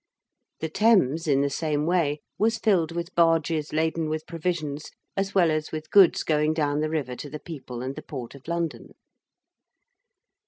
The Thames in the same way was filled with barges laden with provisions as well as with goods going down the river to the people and the Port of London.